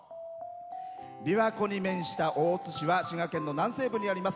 琵琶湖に面した大津市は滋賀県の南西部にあります